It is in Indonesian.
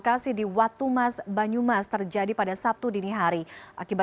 dan dilaporkan satu anggota brimob atas nama brimob